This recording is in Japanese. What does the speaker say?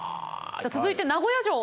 続いて名古屋城。